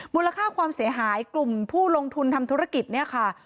มูลค่าความเสียหายกลุ่มผู้ลงทุนทำธุรกิจเนี่ยค่ะ